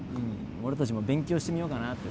俺達も勉強してみようかなって